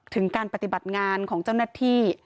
ถึงการปฏิบัติงานของเจ้าหน้าที่